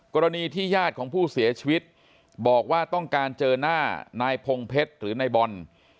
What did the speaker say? กรณีที่ญาติของผู้เสียชีวิตบอกว่าต้องการเจอหน้านายพงเพชรหรือนายบอล